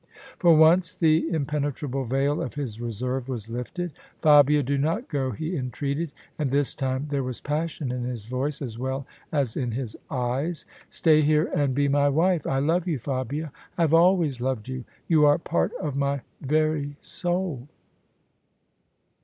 For once the impenetrable veil of his reserve was lifted. " Fabia, do not go," he entreated, and this time there was passion in his voice as well as in his eyes. " Stay here and be my wife. I love you Fabia: I have always loved you: you are part of my very soul."